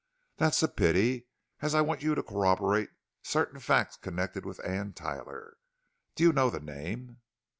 "That's a pity, as I want you to corroborate certain facts connected with Anne Tyler. Do you know the name?"